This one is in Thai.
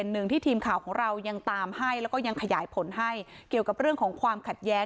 นาริสร์ก็สบายใจได้ก็อยู่ในพื้นที่ต่อไม่ต้องเป็นห่วงอะไร